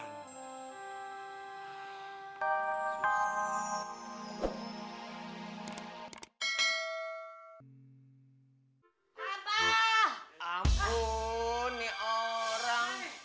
ampun nih orang